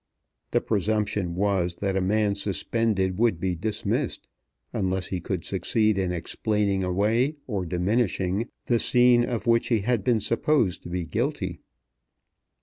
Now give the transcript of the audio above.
The presumption was that a man suspended would be dismissed, unless he could succeed in explaining away or diminishing the sin of which he had been supposed to be guilty.